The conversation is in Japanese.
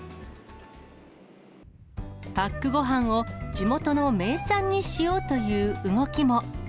パックごはんを地元の名産にしようという動きも。